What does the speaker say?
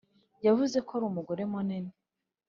yavuze ko ari umugore munini.